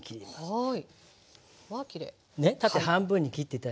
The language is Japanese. はい。